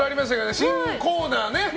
新コーナーね。